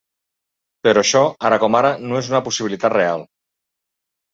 Però això, ara com ara, no és una possibilitat real.